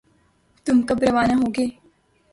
تم کب روانہ ہوگے؟